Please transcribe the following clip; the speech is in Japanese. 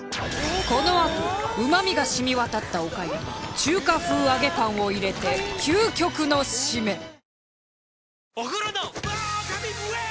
このあとうまみが染み渡ったお粥に中華風揚げパンを入れて究極の締め！